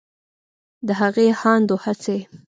د هغې هاند و هڅې